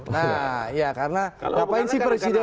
nah ya karena ngapain sih presiden